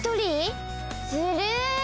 ずるい！